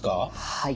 はい。